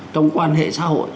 trong quan hệ xã hội